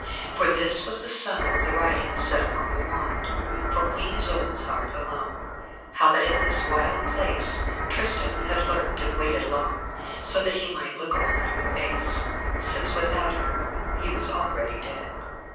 For this was the sum of the writing set upon the wand, for Queen Isoude's heart alone: how that in this wild place Tristan had lurked and waited long, so that he might look upon her face, since without her he was already dead.